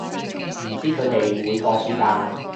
唔知佢哋會放暑假